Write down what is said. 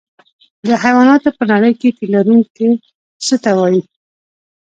د حیواناتو په نړۍ کې تی لرونکي څه ته وایي